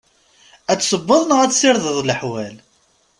Ad tessewweḍ neɣ ad tessirdeḍ leḥwal?